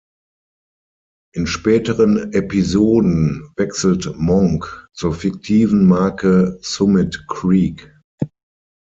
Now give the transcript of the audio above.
In späteren Episoden wechselt Monk zur fiktiven Marke Summit Creek.